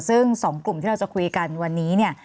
ซึ่ง๒กลุ่มที่เราจะคุยกันวันนี้เนี่ย